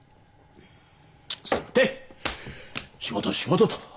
さて仕事仕事と。